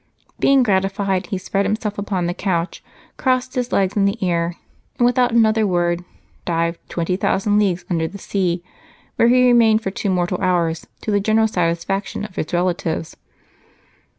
Being gratified, he spread himself upon the couch, crossed his legs in the air, and without another word dived Twenty Thousand Leagues Under the Sea, where he remained for two mortal hours, to the general satisfaction of his relatives.